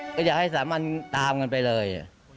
ก็อยากให้สามัญตามกันไปเลย